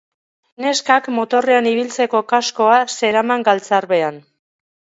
Neskak motorrean ibiltzeko kaskoa zeraman galtzarbean.